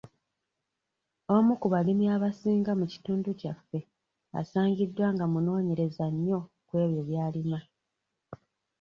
Omu ku balimi abasinga mu kitundu kyaffe asangiddwa nga munoonyereza nnyo kw'ebyo by'alima.